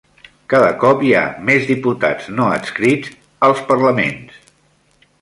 Cada cop hi ha més diputats no adscrits als parlaments